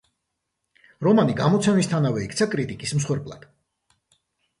რომანი გამოცემისთანავე იქცა კრიტიკის მსხვერპლად.